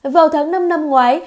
vào tháng năm năm ngoái